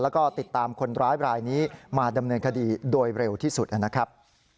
แล้วก็ติดตามคนร้ายบรายนี้มาดำเนินคดีโดยเร็วที่สุดนะครับ